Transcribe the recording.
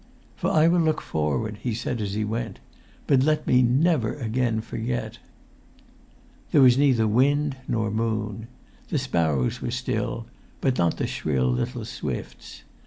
"For I will look forward," he said as he went. "But let me never again forget!" There was neither wind nor moon. The sparrows were still, but not the shrill little swifts.